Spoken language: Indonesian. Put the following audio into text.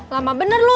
lama bener lu